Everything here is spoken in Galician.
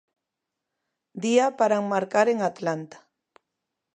Día para enmarcar en Atlanta.